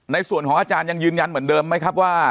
ในส่วนของอาจารย์ยังยืนยันเหมือนเดิมไหมครับว่า